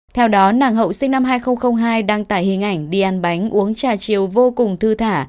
theo đó nàng hậu sinh năm hai nghìn hai đăng tải hình ảnh đi ăn bánh uống trà chiều vô cùng thư thả